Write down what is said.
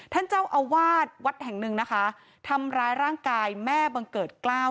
ท่านเจ้าอาวาสวัดแห่งหนึ่งนะคะทำร้ายร่างกายแม่บังเกิดกล้าว